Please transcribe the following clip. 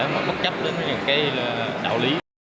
mà bất chấp đến những đạo lý